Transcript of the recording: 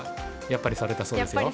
やっぱりされたんですね。